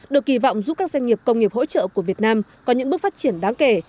được kỳ vọng giúp các doanh nghiệp công nghiệp hỗ trợ của việt nam có những bước phát triển đáng kể